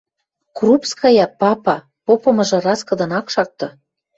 Крупская — папа, попымыжы раскыдын ак шакты.